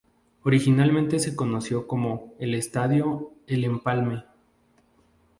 Originalmente se conoció como el Estadio El Empalme.